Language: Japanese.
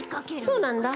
そうなんだ。